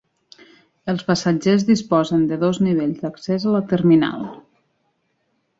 Els passatgers disposen de dos nivells d'accés a la terminal.